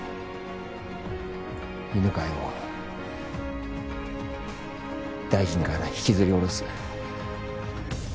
犬飼を大臣から引きずり下ろす。